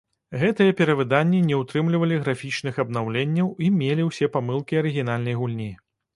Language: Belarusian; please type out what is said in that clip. Гэтыя перавыданні не ўтрымлівалі графічных абнаўленняў і мелі ўсе памылкі арыгінальнай гульні.